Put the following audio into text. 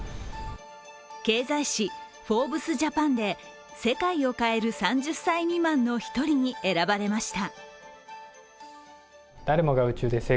経済誌「フォーブスジャパン」で世界を変える３０歳未満の一人に選ばれました。